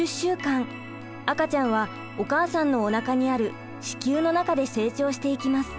赤ちゃんはお母さんのおなかにある子宮の中で成長していきます。